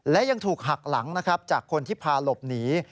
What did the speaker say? และยังถูกหักหลังนะครับจากคนที่พาหลบหนี